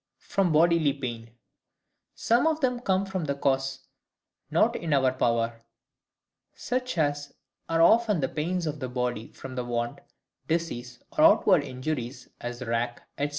From bodily pain. Some of them come from causes not in our power; such as are often the pains of the body from want, disease, or outward injuries, as the rack, etc.